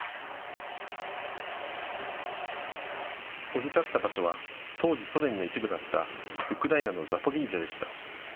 降り立った場所は当時、ソ連の一部だったウクライナのザポリージャでした。